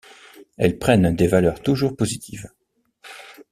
Elles prennent des valeurs toujours positives.